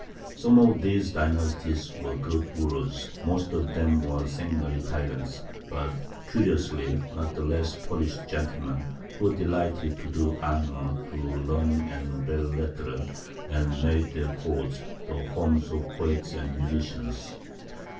Some of these dynasts were good rulers, most of them were sanguinary tyrants, but (curiously) not the less polished gentlemen, who delighted to do honour to learning and belles lettres, and made their courts the homes of poets and musicians.